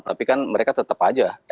tapi kan mereka tetap aja